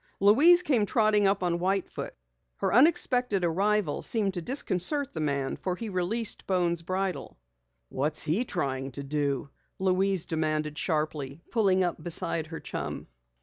Louise came trotting up on White Foot. Her unexpected arrival seemed to disconcert the man for he released Bones' bridle. "What's he trying to do?" Louise demanded sharply, pulling up beside her chum.